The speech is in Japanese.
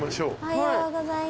はい。